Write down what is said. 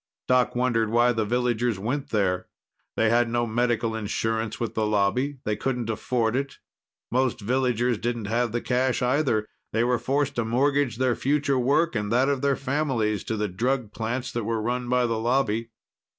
Doc wondered why the villagers went there. They had no medical insurance with the Lobby; they couldn't afford it. Most villagers didn't have the cash, either. They were forced to mortgage their future work and that of their families to the drug plants that were run by the Lobby.